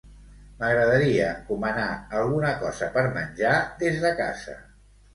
M'agradaria encomanar alguna cosa per menjar des de casa.